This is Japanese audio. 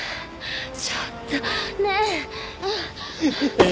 ちょっとねえ！